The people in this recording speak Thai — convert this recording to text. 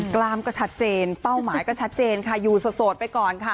กล้ามก็ชัดเจนเป้าหมายก็ชัดเจนค่ะอยู่โสดไปก่อนค่ะ